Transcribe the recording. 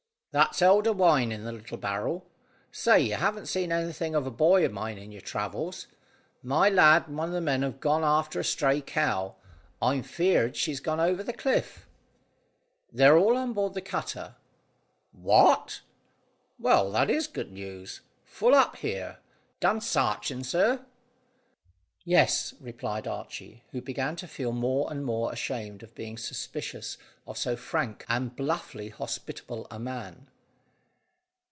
"That's elder wine in the little barrel. Say, you haven't seen anything of a boy of mine in your travels? My lad and one of the men have gone after a stray cow. I'm fear'd she's gone over the cliff." "They're all on board the cutter." "What? Well, that is good news. Full up here. Done sarching, sir?" "Yes," replied Archy, who began to feel more and more ashamed of being suspicious of so frank and bluffly hospitable a man.